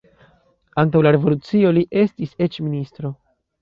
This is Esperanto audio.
Antaŭ la revolucio li estis eĉ ministro.